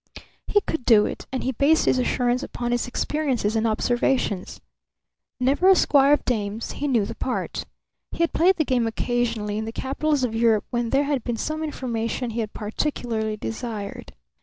He could do it; and he based his assurance upon his experiences and observations. Never a squire of dames, he knew the part. He had played the game occasionally in the capitals of Europe when there had been some information he had particularly desired.